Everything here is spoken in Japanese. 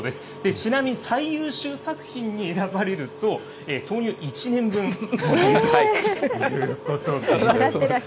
ちなみに、最優秀作品に選ばれると、豆乳１年分もらえるということです。